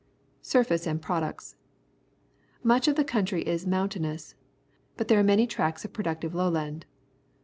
Surface and Products. — Much of the coun try is mountainous, but there are many tracts of productive lowland.